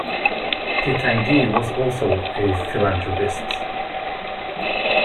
Pitanguy was also a philanthropist.